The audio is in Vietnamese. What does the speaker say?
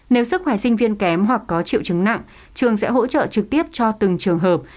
nếu sức khỏe sinh viên kém hoặc có triệu chứng nặng trường sẽ hỗ trợ trực tiếp cho từng trường hợp